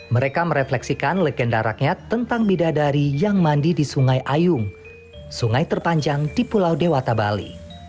mereka merefleksikan legenda rakyat tentang bidadari yang mandi di sungai ayung sungai terpanjang di pulau dewata bali